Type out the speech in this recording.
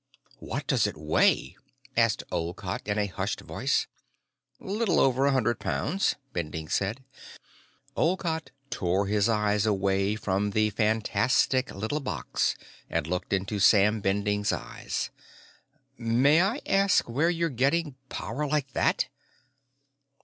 "What does it weigh?" asked Olcott, in a hushed voice. "Little over a hundred pounds," Bending said. Olcott tore his eyes away from the fantastic little box and looked into Sam Bending's eyes. "May I ask where you're getting power like that?"